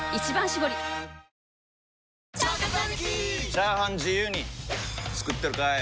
チャーハン自由に作ってるかい！？